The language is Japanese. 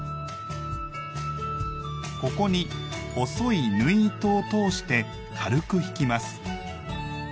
ここに細い縫い糸を通して軽く引きます。